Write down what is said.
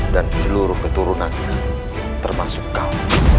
dan seluruh keturunannya termasuk kau